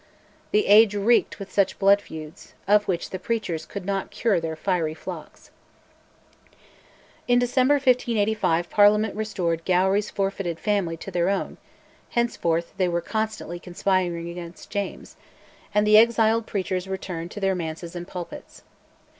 The age reeked with such blood feuds, of which the preachers could not cure their fiery flocks. In December 1585 Parliament restored Gowrie's forfeited family to their own (henceforth they were constantly conspiring against James), and the exiled preachers returned to their manses and pulpits.